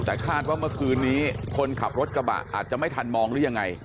แต่คาดว่าเมื่อคืนนี้คนขับรถกระบะอาจจะไม่ทันมองหรือยังไง